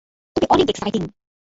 তুমি অনেক এক্সাইটিং!